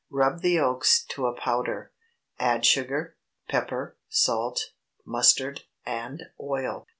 Rub the yolks to a powder, add sugar, pepper, salt, mustard, and oil.